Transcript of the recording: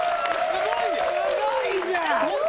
すごいじゃん！